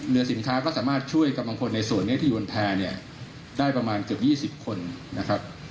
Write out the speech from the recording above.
สินค้าก็สามารถช่วยกำลังพลในส่วนนี้ที่อยู่บนแพร่เนี่ยได้ประมาณเกือบ๒๐คนนะครับ